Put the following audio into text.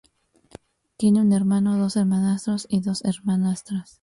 Tiene un hermano, dos hermanastros y dos hermanastras.